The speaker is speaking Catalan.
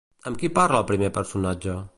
Amb qui parla el primer personatge?